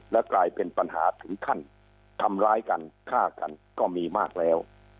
และกลายเป็นปัญหาถึงขั้นทำร้ายกันฆ่ากันก็มีมากแล้ว